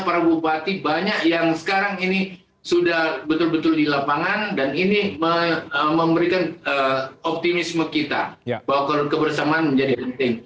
para bupati banyak yang sekarang ini sudah betul betul di lapangan dan ini memberikan optimisme kita bahwa kebersamaan menjadi penting